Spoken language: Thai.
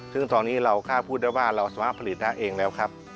ซึ่งตอนนี้เราค่าพูดได้ว่าเราสามารถผลิตได้เองแล้วครับ